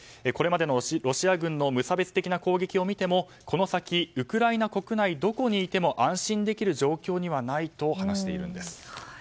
これまでのロシア軍の無差別的な攻撃を見てもこの先、ウクライナ国内どこにいても安心できる状況にはないと話しているんです。